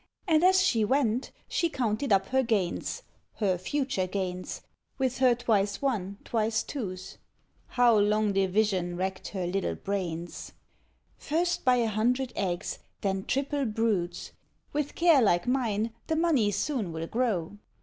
And as she went she counted up her gains Her future gains with her twice one, twice twos. How long division racked her little brains! "First buy a hundred eggs, then triple broods; With care like mine the money soon will grow; [Illustration: THE MILK MAID AND THE MILK PAIL.